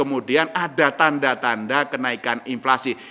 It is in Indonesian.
kemudian ada tanda tanda kenaikan inflasi